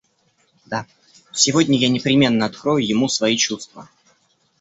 Да, сегодня я непременно открою ему свои чувства.